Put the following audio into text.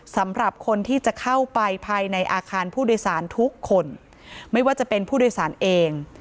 สำหรับคนที่จะเข้าไปภายในอาคารผู้โดยสารทุกคนไม่ว่าจะเป็นผู้โดยสารเอง